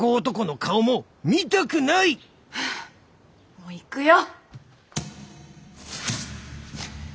もう行くよ。